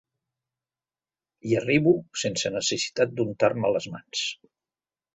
Hi arribo sense necessitat d'untar-me'n les mans.